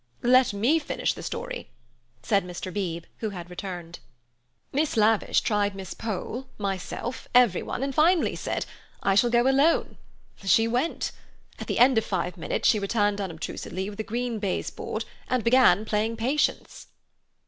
"Let me finish the story," said Mr. Beebe, who had returned. "Miss Lavish tried Miss Pole, myself, everyone, and finally said: 'I shall go alone.' She went. At the end of five minutes she returned unobtrusively with a green baize board, and began playing patience."